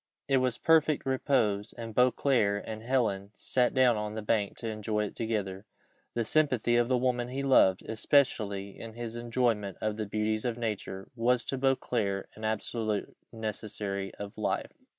It was perfect repose, and Beauclerc and Helen sat down on the bank to enjoy it together. The sympathy of the woman he loved, especially in his enjoyment of the beauties of nature, was to Beauclerc an absolute necessary of life.